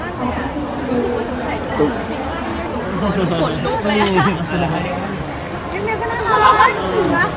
และถึงแล้วเมือนคิวด้วยเจ๊ก็ถามเว้านู้นไม่ใช่ทีเนื่อง